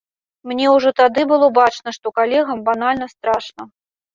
Мне ўжо тады было бачна, што калегам банальна страшна.